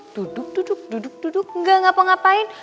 duduk duduk duduk duduk nggak ngapa ngapain